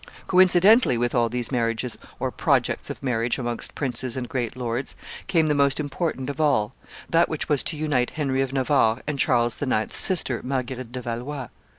Coincidently with all these marriages or projects of marriage amongst princes and great lords came the most important of all, that which was to unite Henry of Navarre and Charles IX.'s sister, Marguerite de Valois.